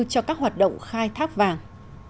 cho các hoạt động khai thác vàng